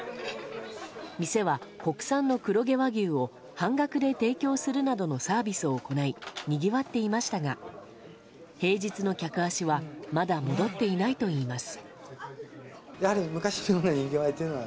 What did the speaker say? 店は国産の黒毛和牛を半額で提供するなどのサービスを行いにぎわっていましたが平日の客足はまだ戻っていないといいます。